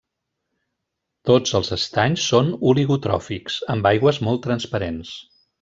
Tots els estanys són oligotròfics, amb aigües molt transparents.